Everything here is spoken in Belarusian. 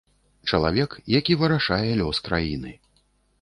Чалавек, які вырашае лёс краіны.